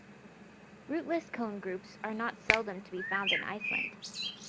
Rootless cone groups are not seldom to be found in Iceland.